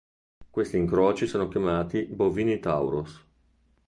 Questi incroci sono chiamati "Bovini Taurus".